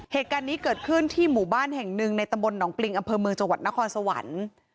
เหตุการณ์นี้เกิดขึ้นที่หมู่บ้านแห่งหนึ่งในตำบลหนองปริงอำเภอเมืองจังหวัดนครสวรรค์